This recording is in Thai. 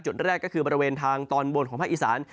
แรกก็คือบริเวณทางตอนบนของภาคอีสาน